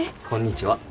こんにちは。